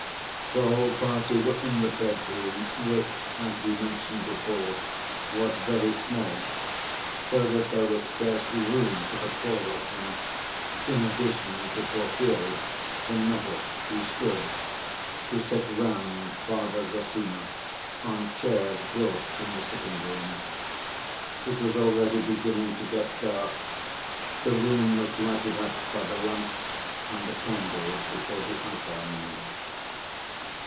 The whole party were in the bedroom which, as we mentioned before, was very small, so that there was scarcely room for the four of them (in addition to Porfiry, the novice, who stood) to sit round Father Zossima on chairs brought from the sitting‐room. It was already beginning to get dark, the room was lighted up by the lamps and the candles before the ikons.